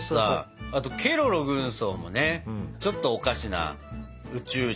あとケロロ軍曹もねちょっとおかしな宇宙人。